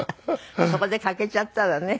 そこで欠けちゃったらね。